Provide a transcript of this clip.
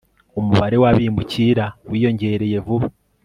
umubare w'abimukira wiyongereye vuba